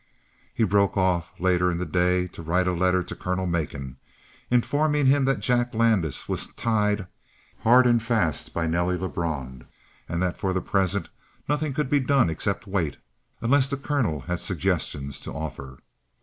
He broke off, later in the day, to write a letter to Colonel Macon, informing him that Jack Landis was tied hard and fast by Nelly Lebrun and that for the present nothing could be done except wait, unless the colonel had suggestions to offer.